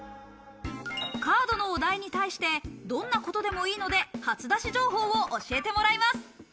カードのお題に対して、どんなことでもいいので初出し情報を教えてもらいます。